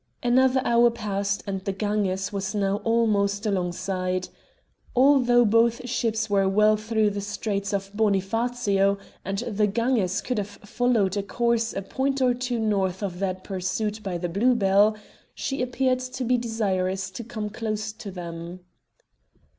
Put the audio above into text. Another hour passed, and the Ganges was now almost alongside. Although both ships were well through the Straits of Bonifacio, and the Ganges should have followed a course a point or two north of that pursued by the Blue Bell, she appeared to be desirous to come close to them.